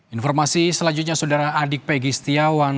informasi selanjutnya saudara adik pegi setiawan